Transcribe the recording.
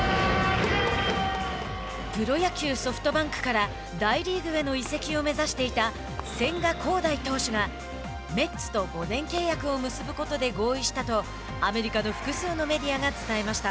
プロ野球、ソフトバンクから大リーグへの移籍を目指していた千賀滉大投手がメッツと５年契約を結ぶことで合意したとアメリカの複数のメディアが伝えました。